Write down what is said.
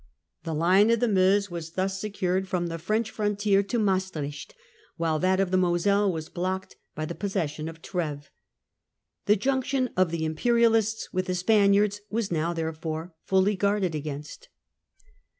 The line of the 238 Louis : William : Charles : Parliament. 1675. Meuse was thus secured from the French frontier to Maestricht, while that of the Moselle was blocked by the possession of Tr&ves. The junction of the imperialists with the Spaniards was now flnerefore fully guarded against.